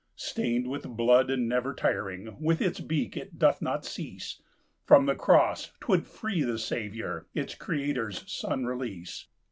Stained with blood and never tiring, With its beak it doth not cease, From the cross 't would free the Saviour, Its Creator's Son release.